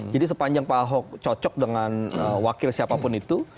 jadi sepanjang pak ahok cocok dengan wakil siapapun itu